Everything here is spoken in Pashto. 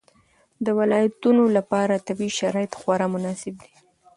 د ولایتونو لپاره طبیعي شرایط خورا مناسب دي.